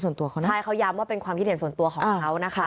ใช่คือเขาย้ำว่าเป็นความคิดเห็นส่วนตัวของเขานะคะ